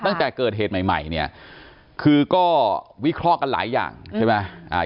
ตั้งแต่เกิดเหตุใหม่ใหม่เนี่ยคือก็วิเคราะห์กันหลายอย่างใช่ไหมอ่า